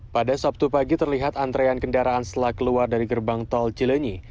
pada sabtu pagi terlihat antrean kendaraan setelah keluar dari gerbang tol cilenyi